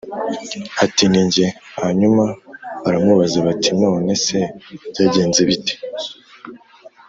ati ni jye Hanyuma baramubaza bati none se byagenze bite